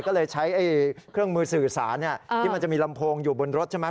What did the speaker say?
ก็เลยใช้เครื่องมือสื่อสารที่มันจะมีลำโพงอยู่บนรถใช่ไหม